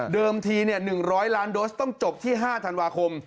ที๑๐๐ล้านโดสต้องจบที่๕ธันวาคม